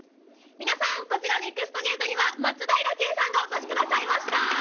皆さん、こちら、ＮＥＸＴゲートには、松平健さんがお越しくださいました。